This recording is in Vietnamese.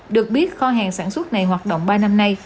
được biết kho hàng sản xuất này hoạt động ba năm nay